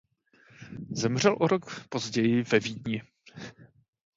Zemřel o rok později ve Vídni.